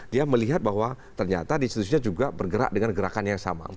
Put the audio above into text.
dia melihat bahwa ternyata institusinya juga bergerak dengan gerakan yang sama